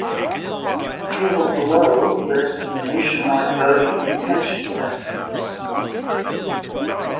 The tables below list nationwide voting intention estimates.